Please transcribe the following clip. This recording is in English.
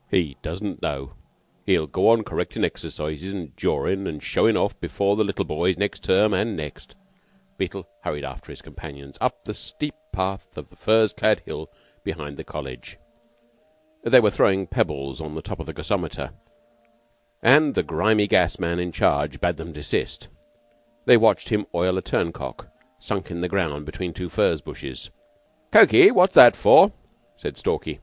"He doesn't know. He'll go on correctin' exercises an' jawin' an' showin' off before the little boys next term and next." Beetle hurried after his companions up the steep path of the furze clad hill behind the College. They were throwing pebbles on the top of the gasometer, and the grimy gas man in charge bade them desist. They watched him oil a turncock sunk in the ground between two furze bushes. "Cokey, what's that for?" said Stalky.